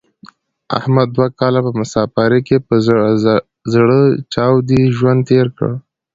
احمد دوه کاله په مسافرۍ کې په زړه چاودې ژوند تېر کړ.